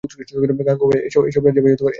গাঙুবাই, এসব রাজিয়াবাই এর কাজ।